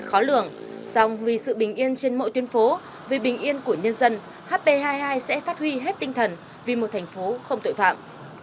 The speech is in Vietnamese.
xong vì sự bình yên trên mọi tuyến phố vì bình yên của nhân dân hp hai mươi hai sẽ phát huy hết tinh thần vì một thành phố không tội phạm